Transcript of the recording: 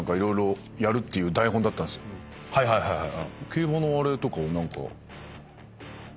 はいはいはいはい。